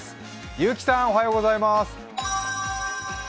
結城さん、おはようございます。